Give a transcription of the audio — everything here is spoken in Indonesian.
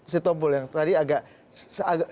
si tombol yang tadi agak